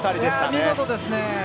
見事ですね。